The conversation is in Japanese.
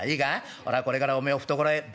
俺はこれからおめえを懐へ場所行くぜ。